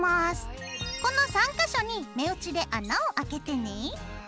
この３か所に目打ちで穴を開けてね。